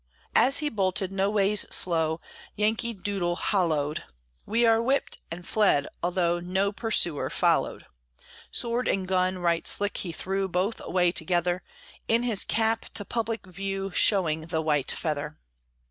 As he bolted, no ways slow, Yankee Doodle hallooed, "We are whipped!" and fled, although No pursuer followed. Sword and gun right slick he threw Both away together, In his cap, to public view, Showing the white feather.